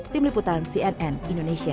tim liputan cnn indonesia